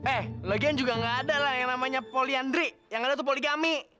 eh lagian juga nggak ada lah yang namanya polyandri yang ada tuh polygami